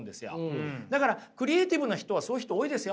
だからクリエーティブな人はそういう人多いですよ。